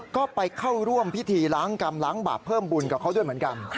ก็ไปเข้าร่วมพิธีล้างกรรมล้างบาปเพิ่มบุญกับเขาด้วยเหมือนกัน